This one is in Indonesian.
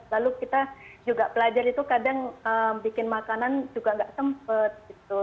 lalu kita juga pelajar itu kadang bikin makanan juga nggak sempet gitu